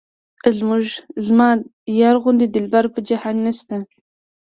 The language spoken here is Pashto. زما یار غوندې دلبر په جهان نشته.